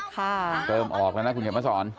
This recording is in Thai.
ค่ะค่ะค่ะนะคุณเด็กมะสอน